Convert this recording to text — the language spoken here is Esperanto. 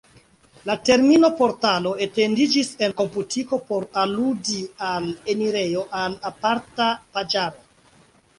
La termino "portalo" etendiĝis en komputiko por aludi al enirejo al aparta paĝaro.